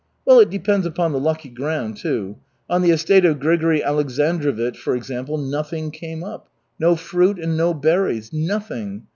Well, it depends upon the lucky ground, too. On the estate of Grigory Aleksandrovich, for example, nothing came up, no fruit and no berries nothing.